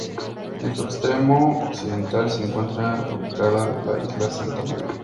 En su extremo occidental se encuentra ubicada la Isla Santa María.